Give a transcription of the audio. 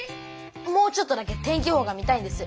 もうちょっとだけ天気予報が見たいんです。